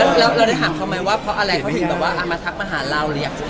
คือตอนนั้นยังไม่ได้เป็นอะไรที่แบบว่าจะใช้คำว่าเดท